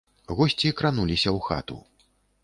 Госці крануліся ў хату.